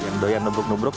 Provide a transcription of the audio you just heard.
yang doyan nubruk nubruk